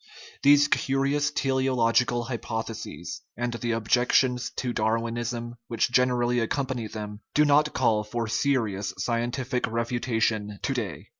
These curious teleological hypotheses, and the objections to Darwinism which generally ac company them, do not call for serious scientific refu tation to day.